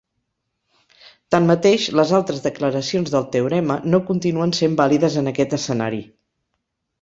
Tanmateix, les altres declaracions del teorema no continuen sent vàlides en aquest escenari.